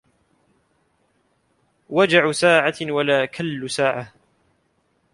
وجع ساعة ولا كل ساعة.